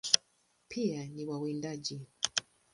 Pia ni wawindaji.